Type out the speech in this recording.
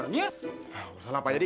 nah nggak usah lapa yadi